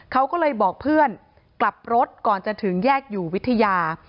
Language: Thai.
เขาก็เลยบอกเพื่อนกลับรถก่อนจะถึงแยกอยู่วิทยา